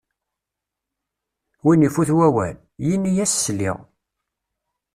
Win ifut wawal, yini-as: sliɣ!